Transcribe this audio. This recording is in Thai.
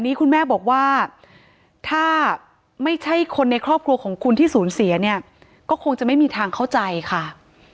คุณแม่บอกว่าถ้าไม่ใช่คนในครอบครัวของคุณที่สูญเสียเนี่ยก็คงจะไม่มีทางเข้าใจค่ะ